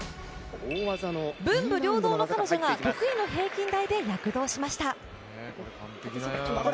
文武両道の彼女が得意の平均台で躍動しました。